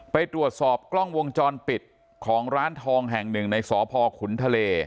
ไปตรวจสอบกล้องวงจรปิดของร้านทองแห่งหนึ่งในสพขุนทะเล